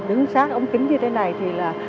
đứng sát ống kính như thế này thì là